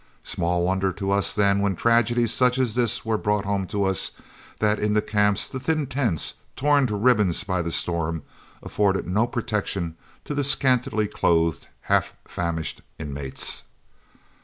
Small wonder to us then, when tragedies such as this were brought home to us, that in the camps the thin tents, torn to ribbons by the storm, afforded no protection to the scantily clothed, half famished inmates!